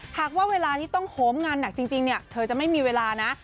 หากว่าเวลาที่ต้องโหมงานหนักจริงเนี่ยเธอจะไม่มีเวลานะ